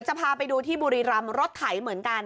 จะพาไปดูที่บุรีรำรถไถเหมือนกัน